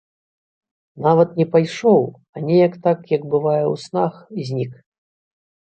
Нават не пайшоў, а неяк так, як бывае ў снах, знік.